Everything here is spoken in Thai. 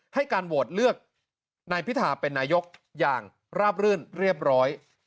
ให้การโหวตเลือกนายพิธาเป็นนายกอย่างราบรื่นเรียบร้อย